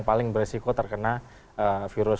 paling beresiko terkena virus